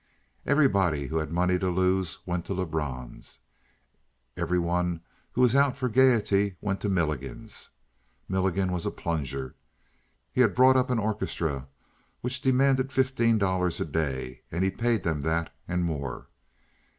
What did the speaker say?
Everybody who had money to lose went to Lebrun's. Every one who was out for gayety went to Milligan's. Milligan was a plunger. He had brought up an orchestra which demanded fifteen dollars a day and he paid them that and more.